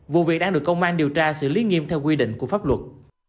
vụ việc đang được công an điều tra xử lý nghiêm theo quy định của pháp luật